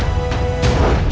aku tidur disitu